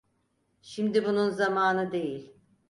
Şimdi bunun zamanı değil.